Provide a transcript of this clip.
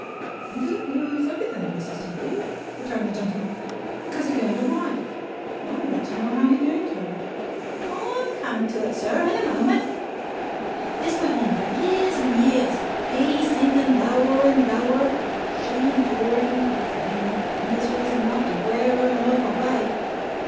"He didn't lose everything, Mrs. Tugby," returned the gentleman, "because he gained a wife; and I want to know how he gained her." "I'm coming to it, sir, in a moment. This went on for years and years; he sinking lower and lower; she enduring, poor thing, miseries enough to wear her life away.